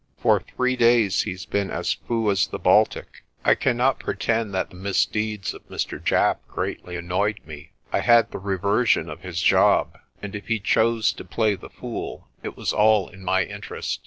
"For three days he's been as fou as the Baltic." I cannot pretend that the misdeeds of Mr. Japp greatly annoyed me. I had the reversion of his job, and if he chose to play the fool it was all in my interest.